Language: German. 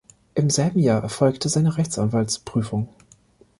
Im selben Jahr erfolgte seine Rechtsanwaltsprüfung.